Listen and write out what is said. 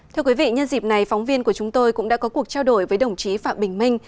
thưa quý vị nhân dịp này phóng viên của chúng tôi cũng đã có cuộc trao đổi với đồng chí phạm bình minh